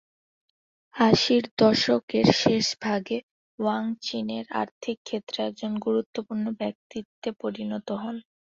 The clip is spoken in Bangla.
আশির দশকের শেষভাগে ওয়াং চীনের আর্থিক ক্ষেত্রের একজন গুরুত্বপূর্ণ ব্যক্তিত্বে পরিণত হন।